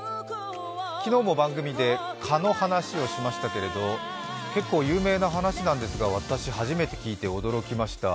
昨日も番組で蚊の話をしましたけれども、結構有名な話なんですが、私初めて聞いて驚きました。